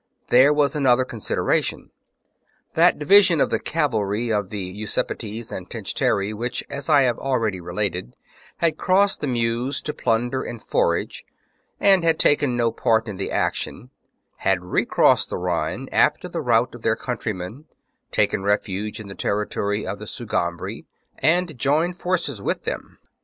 There was another con sideration. That division of the cavalry of the Usipetes and Tencteri which, as I have already related, had crossed the Meuse to plunder and forage and had taken no part in the action, had recrossed the Rhine after the rout of their country men, taken refuge in the territory of the Sugambri, and joined forces with them.